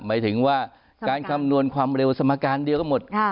หมายถึงว่าการคำนวณความเร็วสมการเดียวก็หมด